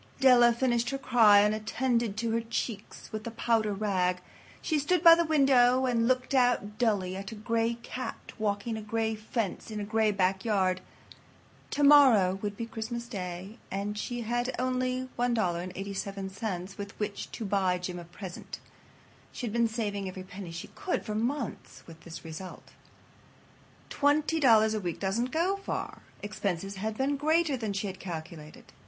Della finished her cry and attended to her cheeks with the powder rag. She stood by the window and looked out dully at a gray cat walking a gray fence in a gray backyard. Tomorrow would be Christmas Day, and she had only $1.87 with which to buy Jim a present. She had been saving every penny she could for months, with this result. Twenty dollars a week doesn't go far. Expenses had been greater than she had calculated.